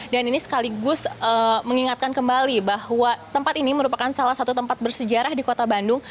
dan ini sekaligus mengingatkan kembali bahwa tempat ini merupakan salah satu tempat bersejarah di kota bandung